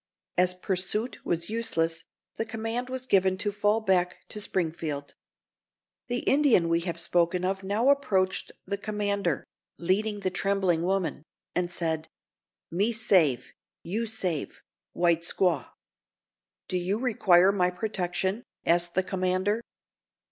As pursuit was useless, the command was given to fall back to Springfield. The Indian we have spoken of now approached the commander, leading the trembling woman, and said: "Me save—you save—white squaw!" "Do you require my protection?" asked the commander.